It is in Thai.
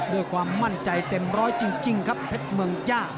ด้วยความมั่นใจเต็มร้อยจริงครับเพชรเมืองย่า